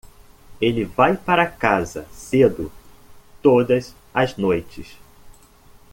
Ele vai para casa cedo todas as noites.